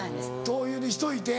灯油にしといて。